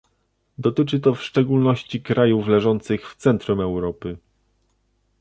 Dotyczy to w szczególności krajów leżących w centrum Europy